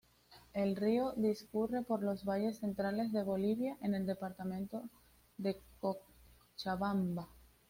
El río discurre por los valles centrales de Bolivia en el departamento de Cochabamba.